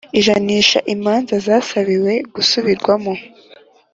ijanisha imanza zasabiwe gusubirwamo